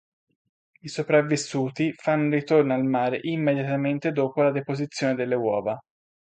I sopravvissuti fanno ritorno al mare immediatamente dopo la deposizione delle uova.